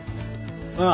ああ。